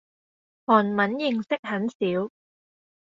韓文認識很少